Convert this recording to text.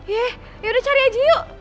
yeh yaudah cari aja yuk